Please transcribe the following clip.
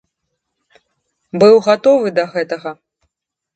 Быў гатовы да гэтага.